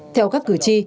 theo các cử tri